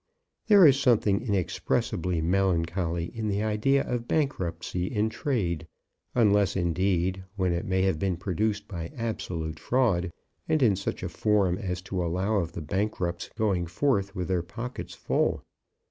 There is something inexpressibly melancholy in the idea of bankruptcy in trade; unless, indeed, when it may have been produced by absolute fraud, and in such a form as to allow of the bankrupts going forth with their pockets full.